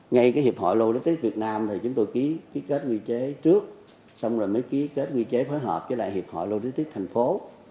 ngay cái hiệp hội logistics việt nam thì chúng tôi ký kết quy chế trước xong rồi mới ký kết quy chế phối hợp với lại hiệp hội logistics thành phố